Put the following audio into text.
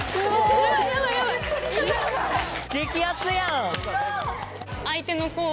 激アツやん！